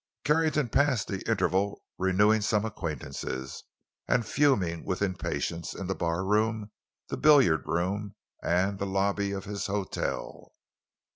Carrington passed the interval renewing some acquaintances, and fuming with impatience in the barroom, the billiard room, and the lobby of his hotel.